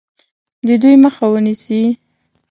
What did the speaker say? د دوی مخه ونیسي.